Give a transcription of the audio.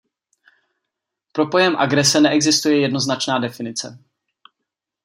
Pro pojem agrese neexistuje jednoznačná definice.